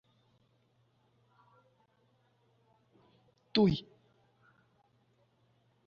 তিনি সাধারণত হাফ-ব্যাক বা সেন্টার-হাফ হিসেবেই ম্যানচেস্টার ইউনাইটেড ক্লাবে খেলতেন।